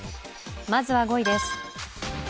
まずは５位です。